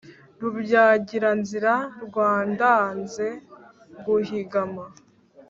Rubyagira-nzira rwa ndanze guhigama,